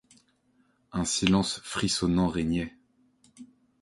Un silence frissonnant régnait.